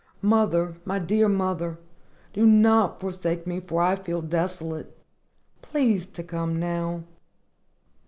Mother! my dear mother! do not forsake me, for I feel desolate! Please to come now.